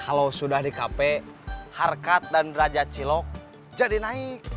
kalau sudah di kp harkat dan derajat cilok jadi naik